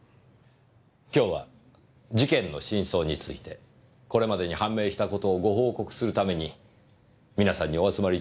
今日は事件の真相についてこれまでに判明した事をご報告するために皆さんにお集まりいただきました。